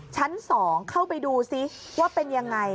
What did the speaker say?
ชั้น๒เข้าไปดูซิว่าเป็นยังไง